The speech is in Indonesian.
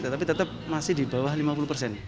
tetapi tetap masih di bawah lima puluh persen